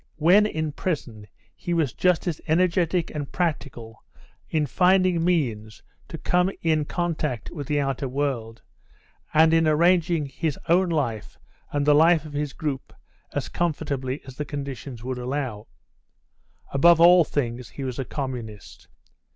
When in prison he was just as energetic and practical in finding means to come in contact with the outer world, and in arranging his own life and the life of his group as comfortably as the conditions would allow. Above all things he was a communist.